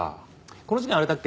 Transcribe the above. この事件あれだっけ？